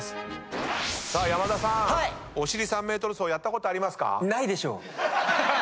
さあ山田さんお尻３ｍ走やったことありますか？